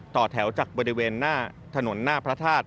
ต่อแถวจากบริเวณหน้าถนนหน้าพระธาตุ